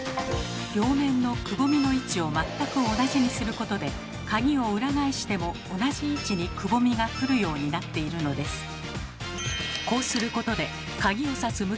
両面のくぼみの位置を全く同じにすることで鍵を裏返しても同じ位置にくぼみが来るようになっているのです。